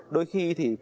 đôi khi thì